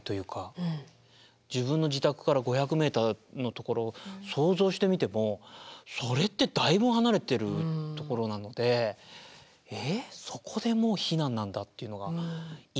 自分の自宅から５００ｍの所想像してみてもそれってだいぶ離れてる所なので「えっ？そこでもう避難なんだ」っていうのが意外すぎましたね。